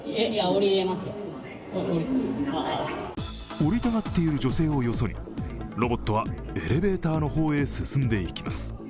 降りたがっている女性をよそにロボットはエレベーターの方へ進んでいきます。